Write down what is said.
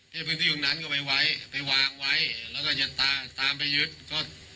ให้พื้นที่ตรงนั้นก็ไปไว้ไปวางไว้แล้วก็จะตามตามไปยึดก็